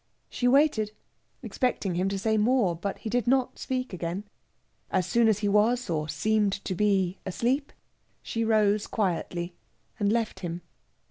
She waited, expecting him to say more; but he did not speak again. As soon as he was, or seemed to be, asleep, she rose quietly and left him.